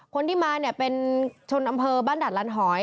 คนที่มาเป็นชนอำเภอบ้านดาดลานหอย